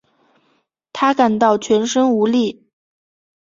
她感到全身无力